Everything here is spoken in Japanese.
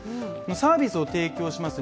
サービスを提供します